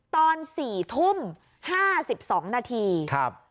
ตอน๔ทุ่ม๕๒นาทีครับ